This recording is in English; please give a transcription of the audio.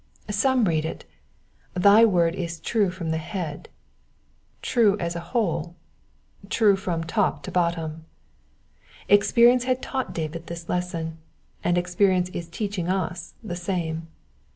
Some read it, *'Thy word is true from the head ;'^ true as a whole, true from top to bottom. Experience had taught David this lesson, and experience is teaching us the same.